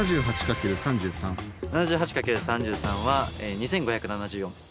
７８掛ける３３は２５７４です。